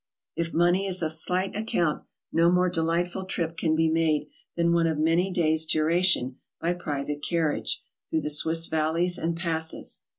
If money is of slight account, no more delightful trip can be made than one of many days' duration, by private car riage, through the Swiss valleys and passes.